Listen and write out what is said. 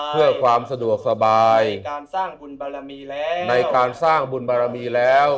เพื่อความสะดวกสบายในการสร้างบุญบารมีแล้ว